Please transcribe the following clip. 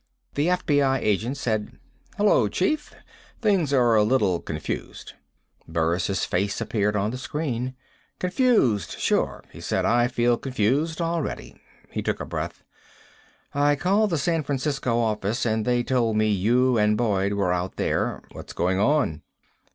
The FBI agent said: "Hello, chief. Things are a little confused." Burris' face appeared on the screen. "Confused, sure," he said. "I feel confused already." He took a breath. "I called the San Francisco office, and they told me you and Boyd were out there. What's going on?"